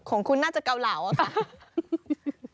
ของคุณน่าจะเกาเหลาอะค่ะ